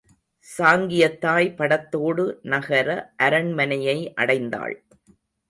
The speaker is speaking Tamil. சாங்கியத்தாய் படத்தோடு நகர அரண்மனையை அடைந்தாள்.